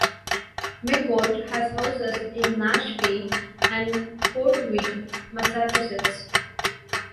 McCourt has houses in Mashpee and Cotuit, Massachusetts.